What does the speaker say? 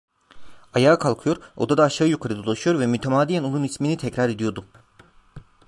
Ayağa kalkıyor, odada aşağı yukarı dolaşıyor ve mütemadiyen onun ismini tekrar ediyordum.